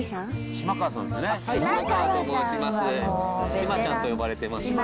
島ちゃんと呼ばれています。